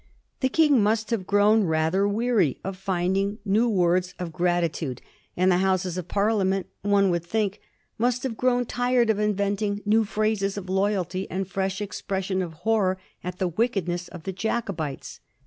The King must have grown rather weary of finding new words of Digiti zed by Google 1728 LOYAL ADDRESSES. 287 gratitude, and the Houses of Parliament, one would think, must have grown tired of inventing new phrases of loyalty and fresh expressions of horror at the wickedness of the Jacobites.